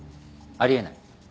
あり得ない。